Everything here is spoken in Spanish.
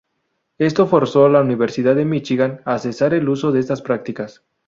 Esto forzó a la Universidad de Michigan a cesar el uso de estas prácticas.